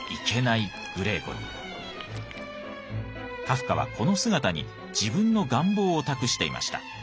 カフカはこの姿に自分の願望を託していました。